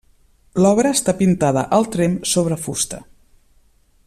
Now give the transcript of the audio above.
L'obra està pintada al tremp sobre fusta.